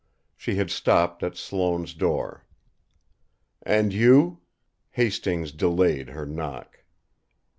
She had stopped at Sloane's door. "And you?" Hastings delayed her knock.